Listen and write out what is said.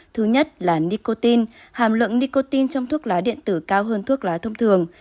thứ nhất là nicotine hàm lượng nicotine trong thuốc lá điện tử cao hơn thuốc lá thông thường